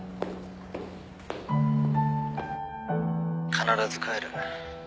必ず帰る。